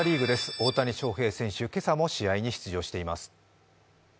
大谷翔平選手、今朝も試合に出場しています。